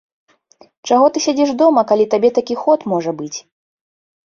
Чаго ты сядзіш дома, калі табе такі ход можа быць!